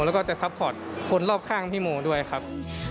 แล้วก็จะซัพพอร์ตคนรอบข้างพี่โมด้วยครับ